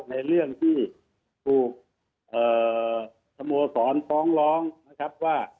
ในเรื่องที่ถูกสโมสรฟ้องร้องนะครับว่า